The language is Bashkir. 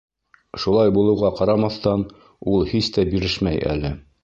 Шулай булыуға ҡарамаҫтан, ул һис тә бирешмәй әле.